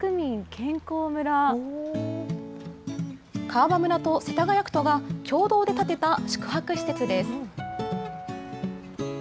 川場村と世田谷区とが共同で建てた宿泊施設です。